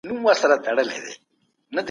پر دغي څوکۍ باندې بل هیڅ یو مشر نه و ناست.